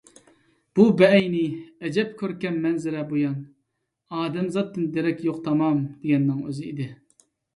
بۇ بەئەينى، ئەجەب كۆركەم مەنزىرە بۇيان، ئادەمزاتتىن دېرەك يوق تامام، دېگەننىڭ ئۆزى ئىدى.